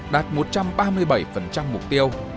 đạt một trăm ba mươi bảy mục tiêu